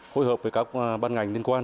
hội hợp với các ban ngành liên quan